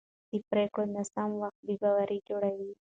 د پرېکړو ناسم وخت بې باوري جوړوي